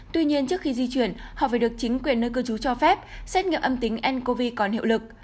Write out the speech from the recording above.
tuy nhiên trước khi di chuyển họ phải được chính quyền nơi cư trú cho phép xét nghiệm âm tính ncov còn hiệu lực